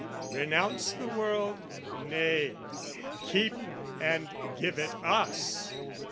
"Renounce the world? Nay, keep and give it us!